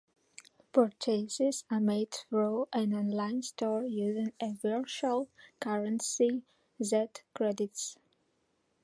Purchases are made through an online store using a virtual currency, Z-Credits.